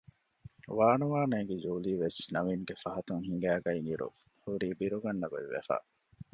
ވާނުވާ ނޭގި ޖޫލީވެސް ނަވީންގެ ފަހަތުން ހިނގައިގަތް އިރު ހުރީ ބިރުގަންނަ ގޮތްވެފަ